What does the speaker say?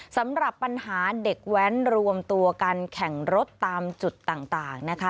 สำหรับปัญหาเด็กแว้นรวมตัวกันแข่งรถตามจุดต่างนะคะ